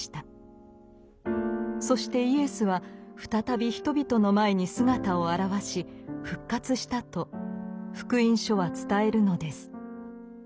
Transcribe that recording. そしてイエスは再び人々の前に姿を現し復活したと「福音書」は伝えるのです。